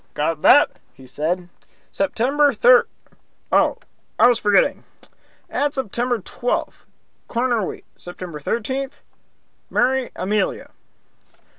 "Got that?" he said. "September thir Oh, I was forgetting! Add September twelfth, corner wheat. September thirteenth, marry Amelia."